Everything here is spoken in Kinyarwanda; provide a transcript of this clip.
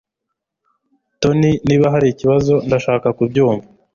Tony niba hari ikibazo ndashaka kubyumva